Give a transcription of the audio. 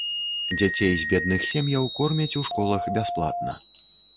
Дзяцей з бедных сем'яў кормяць у школах бясплатна.